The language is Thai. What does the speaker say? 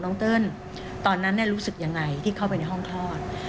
เติ้ลตอนนั้นรู้สึกยังไงที่เข้าไปในห้องคลอด